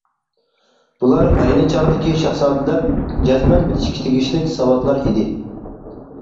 بۇلار ئەينى چاغدىكى شاھزادىلەر جەزمەن بىلىشكە تېگىشلىك ساۋاتلار ئىدى.